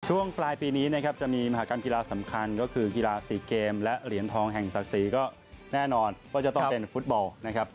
ช่วงปลายปีนี้นะครับจะมีมหากรรมกีฬาสำคัญก็คือกีฬา๔เกมและเหรียญทองแห่งศักดิ์ศรีก็แน่นอนว่าจะต้องเป็นฟุตบอลนะครับ